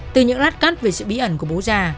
từ những lát cắt về sự bí ẩn của bố già